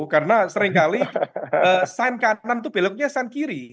karena seringkali sign kanan itu beloknya sign kiri